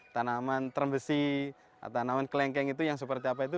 tanaman termbesi tanaman kelengkeng itu yang seperti apa itu